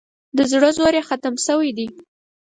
د زړه زور یې ختم شوی دی.